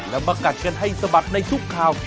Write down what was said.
แล้วมากัดกันให้สะบัดในทุกข่าว